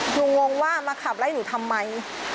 งงว่ามาขับไล่หนูทำไม